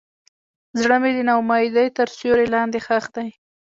زړه مې د ناامیدۍ تر سیوري لاندې ښخ دی.